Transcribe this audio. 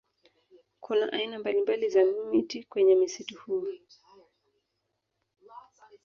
Kuna aina mbalimbali za miti kwenye msitu huo